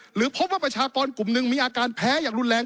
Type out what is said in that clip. หรือพบว่าประชากรกลุ่มหนึ่งมีอาการแพ้อย่างรุนแรง